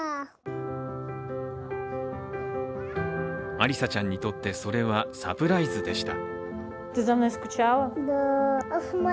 アリサちゃんにとってそれはサプライズでした。